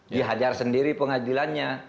dihajar sendiri pengadilannya